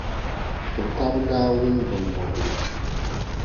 Ti tiba daa wum di ŋumaŋuma.